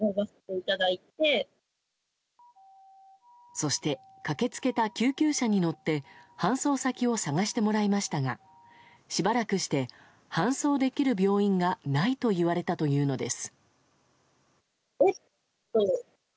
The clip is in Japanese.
そして、駆け付けた救急車に乗って搬送先を探してもらいましたがしばらくして搬送できる病院がないと言われたというのです。